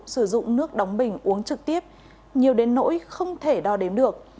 sử dụng nước đóng bình uống trực tiếp nhiều đến nỗi không thể đo đếm được